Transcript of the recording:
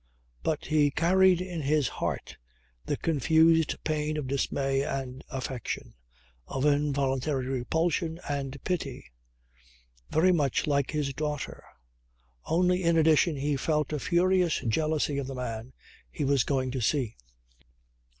But he carried in his heart the confused pain of dismay and affection, of involuntary repulsion and pity. Very much like his daughter. Only in addition he felt a furious jealousy of the man he was going to see.